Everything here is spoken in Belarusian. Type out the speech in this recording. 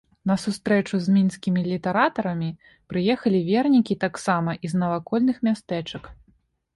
На сустрэчу з мінскімі літаратарамі прыехалі вернікі таксама і з навакольных мястэчак.